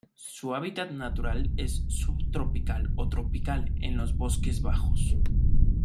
Su hábitat natural es subtropical o tropical en los bosques bajos.